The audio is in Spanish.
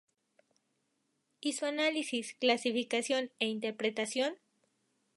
Y su análisis, clasificación e interpretación.